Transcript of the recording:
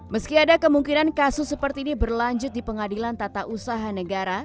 meski ada kemungkinan kasus seperti ini berlanjut di pengadilan tata usaha negara